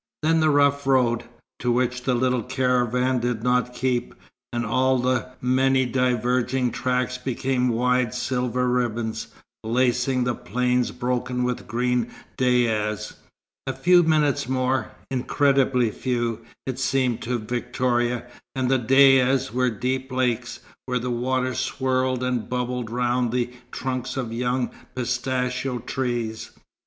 Then the rough road (to which the little caravan did not keep) and all the many diverging tracks became wide silver ribbons, lacing the plain broken with green dayas. A few minutes more incredibly few, it seemed to Victoria and the dayas were deep lakes, where the water swirled and bubbled round the trunks of young pistachio trees.